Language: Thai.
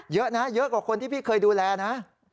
เยอะนะเยอะกว่าคนที่พี่เคยดูแลนะ